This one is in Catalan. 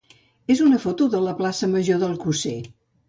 és una foto de la plaça major d'Alcosser.